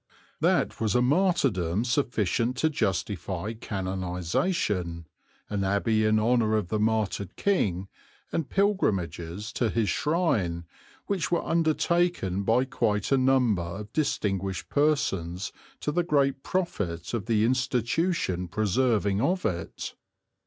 That was a martyrdom sufficient to justify canonization, an abbey in honour of the martyred king, and pilgrimages to his shrine, which were undertaken by quite a number of distinguished persons to the great profit of the institution preserving of it.